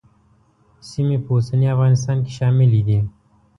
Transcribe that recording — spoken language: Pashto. سیمې په اوسني افغانستان کې شاملې وې.